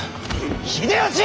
秀吉！